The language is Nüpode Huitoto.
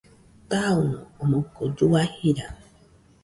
Taɨno omoɨko llua jira.